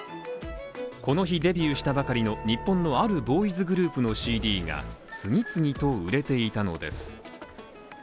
この日デビューしたばかりの日本のあるボーイズグループのＣＤが次々と売れていたのです。